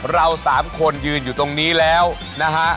เราสามคนยืนอยู่ตรงนี้แล้วนะฮะ